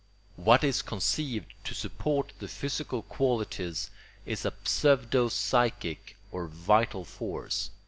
What is conceived to support the physical qualities is a pseudo psychic or vital force.